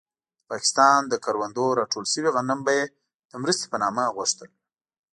د پاکستان له کروندو راټول شوي غنم به يې د مرستې په نامه غوښتل.